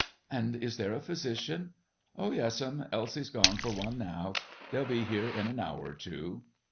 "And is there a physician?" "Oh, yes'm; Elsie's gone for one now. They'll be here in an hour or two."